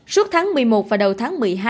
suốt tháng một mươi một và đầu tháng một mươi hai